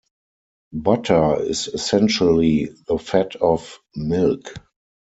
Butter is essentially the fat of milk.